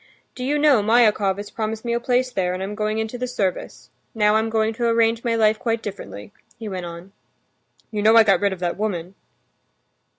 Do you know, Myakov has promised me a place there, and I'm going into the service. Now I'm going to arrange my life quite differently," he went on. "You know I got rid of that woman."